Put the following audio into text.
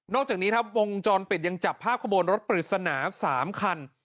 อกจากนี้ครับวงจรปิดยังจับภาพขบวนรถปริศนา๓คัน